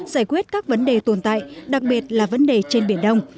giải quyết các vấn đề tồn tại đặc biệt là vấn đề trên biển đông